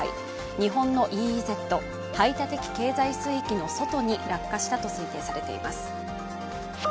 日本のＥＥＺ＝排他的経済水域の外に落下したと推定されています。